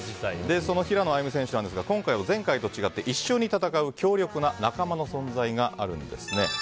その平野歩夢選手ですが今回は前回と違って一緒に戦う強力な仲間の存在があるんです。